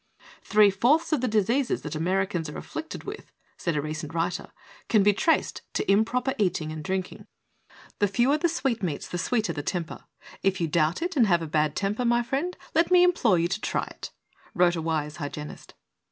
"Three fourths of the diseases that Americans are afflicted with," said a recent writer, "can be traced to improper eating and drinking." "The fewer the sweetmeatSj the sweeter the temper. If you doubt it and have a bad temper, my friend, let me implore you to try it," wrote a wise hygienist.